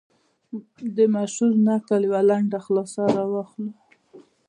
د مشهور نکل یوه لنډه خلاصه را واخلو.